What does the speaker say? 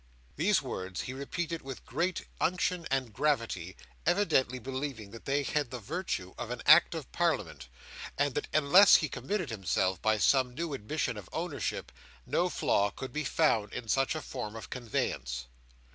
These words he repeated with great unction and gravity, evidently believing that they had the virtue of an Act of Parliament, and that unless he committed himself by some new admission of ownership, no flaw could be found in such a form of conveyance.